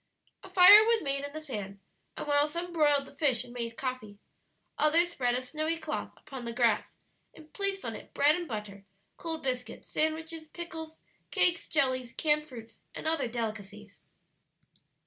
A fire was made in the sand, and while some broiled the fish and made coffee, others spread a snowy cloth upon the grass, and placed on it bread and butter, cold biscuits, sandwiches, pickles, cakes, jellies, canned fruits, and other delicacies.